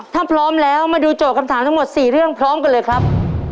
ถ้าพร้อมแล้วมาดูโจทย์คำถามทั้งหมด๔เรื่องพร้อมกันเลยครับ